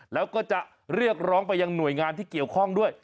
แล้วก็จะเรียกร้องไปยังหน่วยงานที่เกี่ยวข้องด้วย